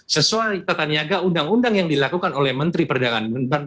sesuai tataniaga undang undang yang dilakukan oleh menteri perdagangan